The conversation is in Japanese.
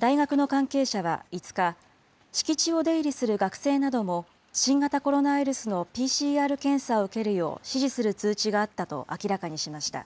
大学の関係者は５日、敷地を出入りする学生なども、新型コロナウイルスのＰＣＲ検査を受けるよう指示する通知があったと明らかにしました。